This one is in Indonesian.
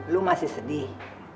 lo masih sedih